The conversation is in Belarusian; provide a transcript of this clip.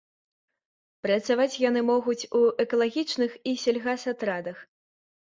Працаваць яны могуць у экалагічных і сельгасатрадах.